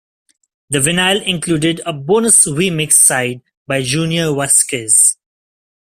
The vinyl included a bonus remix side by Junior Vasquez.